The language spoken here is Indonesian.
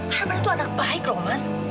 haven itu anak baik loh mas